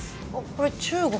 これ中国。